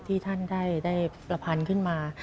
ที่ท่านได้ประพันธ์ขึ้นมา